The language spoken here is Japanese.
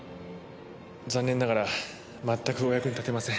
残念ながらまったくお役に立てません。